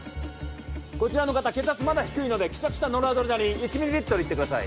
こちらの方血圧まだ低いので希釈したノルアドレナリン１ミリリットルいってください